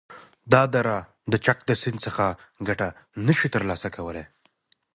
دا دره د چک د سیند څخه گټه نشی تر لاسه کولای،